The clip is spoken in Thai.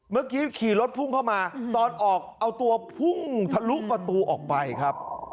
เมื่อกี้ขี่รถพุ่งเข้ามาตอนออกเอาตัวพุ่งทะลุประตูออกไปครับ